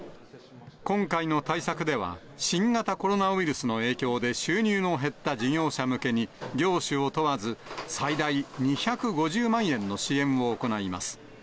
今回の対策では、新型コロナウイルスの影響で収入の減った事業者向けに、業種を問わず、最大２５０万円の支援を行います。